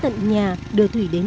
cô hải xe ôm